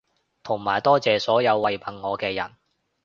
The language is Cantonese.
同埋多謝所有慰問我嘅人